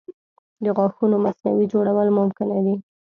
د غاښونو مصنوعي جوړول ممکنه دي.